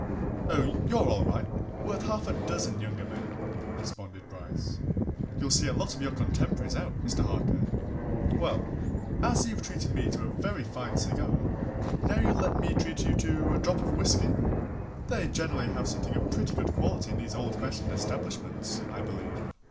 "Oh, you're all right! worth half a dozen younger men," responded Bryce. "You'll see a lot of your contemporaries out, Mr. Harker. Well as you've treated me to a very fine cigar, now you'll let me treat you to a drop of whisky? they generally have something of pretty good quality in these old fashioned establishments, I believe."